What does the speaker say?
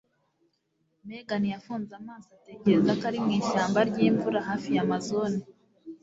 Megan yafunze amaso atekereza ko ari mu ishyamba ryimvura hafi ya Amazone.